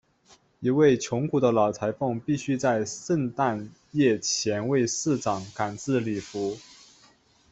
一位穷苦的老裁缝必须在圣诞夜前为市长赶制礼服。